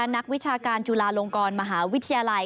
นักวิชาการจุฬาลงกรมหาวิทยาลัย